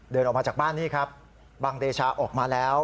เดินออกมาจากบ้านนี่ครับบังเดชาออกมาแล้ว